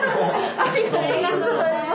ありがとうございます。